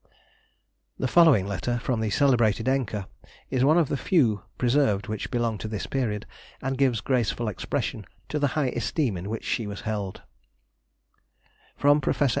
The following letter, from the celebrated Encke, is one of the few preserved which belong to this period, and gives graceful expression to the high esteem in which she was held:— [Sidenote: 1831.